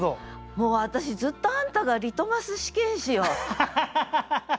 もう私ずっとあんたがリトマス試験紙よ。